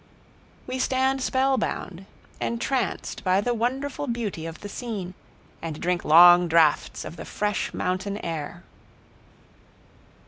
We stand spellbound, entranced by the wonderful beauty of the scene, and drink long draughts of the fresh mountain air.